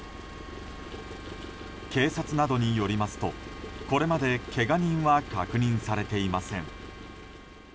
警察などによりますとこれまで、けが人は確認されていません。